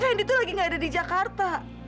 fnd itu lagi tidak ada di jakarta